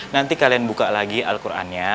nanti kalian buka lagi al qurannya